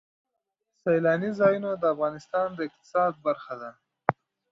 سیلانی ځایونه د افغانستان د اقتصاد برخه ده.